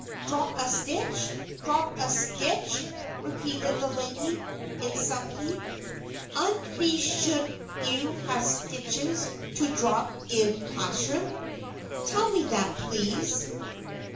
"Drop a stitch? Drop a stitch?" repeated the lady, in some heat. "Undt vy shouldt you have stitches to drop in classroom? Tell me that, please!"